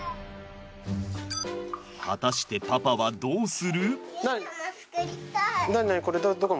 果たしてパパはどうする？